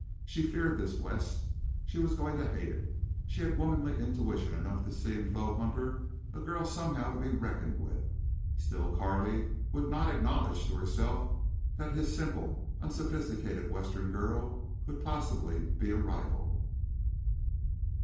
She feared this West. She was going to hate it. She had womanly intuition enough to see in Flo Hutter a girl somehow to be reckoned with. Still, Carley would not acknowledge to herself that his simple, unsophisticated Western girl could possibly be a rival.